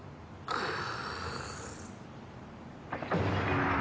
ああ！